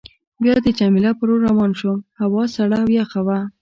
بیا د جميله په لور روان شوم، هوا سړه او یخه وه.